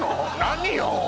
何よ！